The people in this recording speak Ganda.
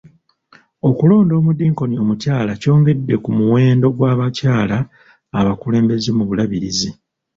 Okulonda omudinkoni omukyala kyongedde ku muwendo gw'abakyala abakulembeze mu bulabirizi.